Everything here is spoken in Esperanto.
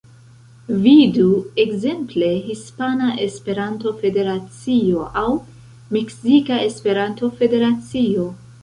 Vidu ekzemple Hispana Esperanto-Federacio aŭ Meksika Esperanto-Federacio.